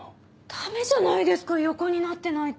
ダメじゃないですか横になってないと。